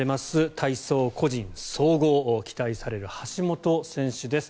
体操個人総合期待される橋本選手です。